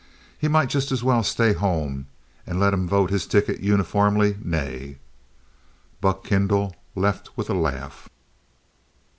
He might just as well stay home and let 'em vote his ticket uniformly 'nay.'" Buck Kendall left with a laugh.